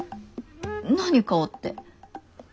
何顔って。